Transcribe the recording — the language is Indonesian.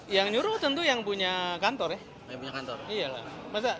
yang nyuruh tentu yang punya kantor ya kantor